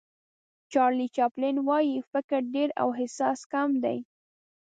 چارلي چاپلین وایي فکر ډېر او احساس کم دی.